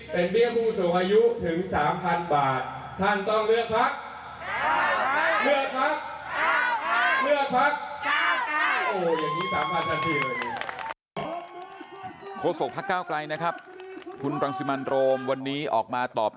เป็นเบี้ยบูสูงอายุถึง๓๐๐๐บาท